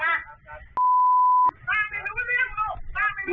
หนีไปใช่